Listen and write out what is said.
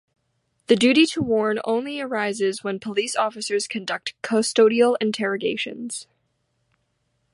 The duty to warn only arises when police officers conduct custodial interrogations.